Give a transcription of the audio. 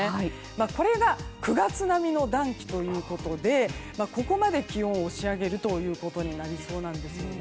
これが９月並みの暖気ということでここまで気温を押し上げることになりそうなんです。